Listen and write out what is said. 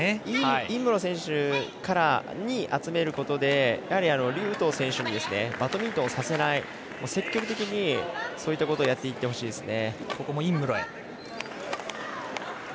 尹夢ろ選手に集めることで劉禹とう選手にバドミントンをさせない積極的にそういったことをやっていってほしいですね。